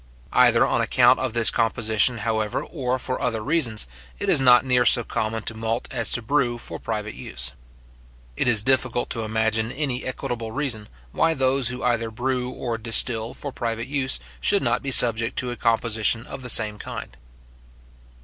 Either on account of this composition, however, or for other reasons, it is not near so common to malt as to brew for private use. It is difficult to imagine any equitable reason, why those who either brew or distil for private use should not be subject to a composition of the same kind.